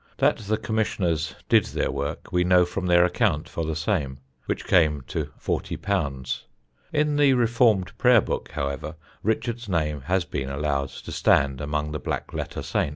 That the Commissioners did their work we know from their account for the same, which came to _£_40. In the reformed prayer book, however, Richard's name has been allowed to stand among the black letter saints.